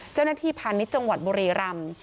เจ้าหน้าที่พาณิชย์จังหวัดบุรีรำ